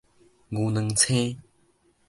牛郎星